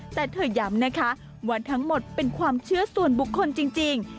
แต่เธอย้ำนะคะว่าทั้งหมดเป็นความเชื่อส่วนบุคคลจริง